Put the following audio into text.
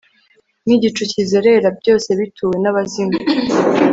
nigicu kizerera, byose bituwe nabazimu